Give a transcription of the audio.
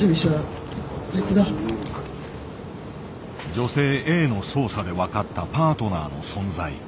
女性Ａの捜査で分かったパートナーの存在。